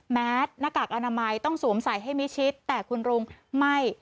หน้ากากอนามัยต้องสวมใส่ให้มิชิดแต่คุณลุงไม่